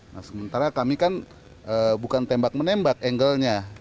nah sementara kami kan bukan tembak menembak angle nya